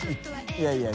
いやいや。